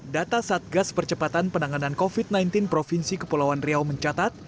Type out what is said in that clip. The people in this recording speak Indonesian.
data satgas percepatan penanganan covid sembilan belas provinsi kepulauan riau mencatat